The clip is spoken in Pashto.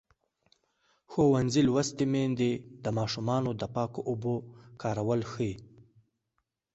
ښوونځې لوستې میندې د ماشومانو د پاکو اوبو کارول ښيي.